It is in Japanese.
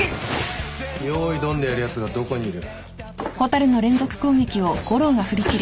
用意ドンでやるやつがどこにいる。